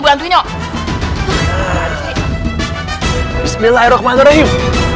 bantuin yuk bismillahirohmanirohim